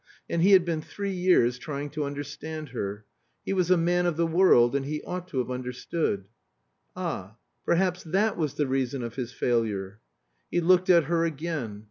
And he had been three years trying to understand her. He was a man of the world, and he ought to have understood. Ah perhaps that was the reason of his failure! He looked at her again.